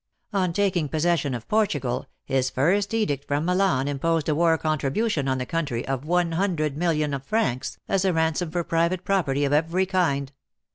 On taking possession of Portugal, his first edict from Mi lan imposed a war contribution on the country of one hundred million of francs, as a ransom for private prop erty of every kind.